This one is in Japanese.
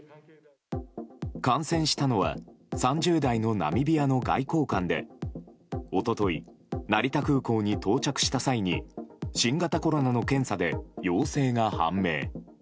感染したのは３０代のナミビアの外交官で一昨日、成田空港に到着した際に新型コロナの検査で陽性が判明。